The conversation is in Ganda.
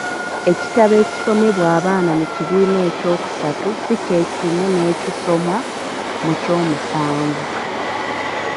Ekitabo ekisomebwa abaana mu kibiina ekyokusatu si kyekimu n'ekisomwa mu kyomusanvu.